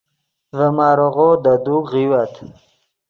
ڤے ماریغو دے دوک غیوت